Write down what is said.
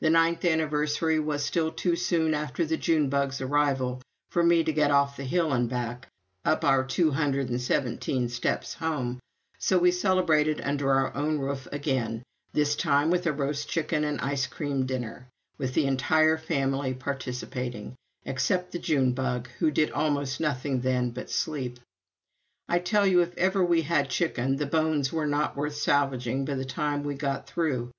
The ninth anniversary was still too soon after the June Bug's arrival for me to get off the hill and back, up our two hundred and seventeen steps home, so we celebrated under our own roof again this time with a roast chicken and ice cream dinner, and with the entire family participating except the June Bug, who did almost nothing then but sleep. I tell you, if ever we had chicken, the bones were not worth salvaging by the time we got through.